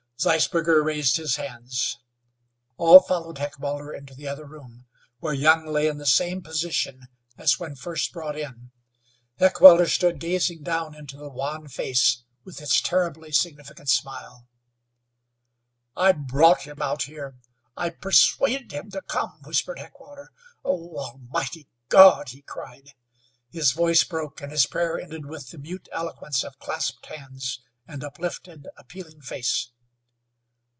Zeisberger raised his hands. All followed Heckewelder into the other room, where Young lay in the same position as when first brought in. Heckewelder stood gazing down into the wan face with its terribly significant smile. "I brought him out here. I persuaded him to come!" whispered Heckewelder. "Oh, Almighty God!" he cried. His voice broke, and his prayer ended with the mute eloquence of clasped hands and uplifted, appealing face.